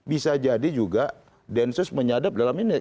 bisa jadi juga densus menyadap dalam ini